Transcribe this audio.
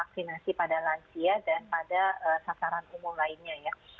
vaksinasi pada lansia dan pada sasaran umum lainnya ya